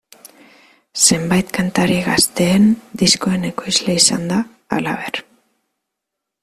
Zenbait kantari gazteen diskoen ekoizle izan da, halaber.